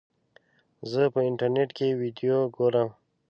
زه په انټرنیټ کې ویډیو ګورم.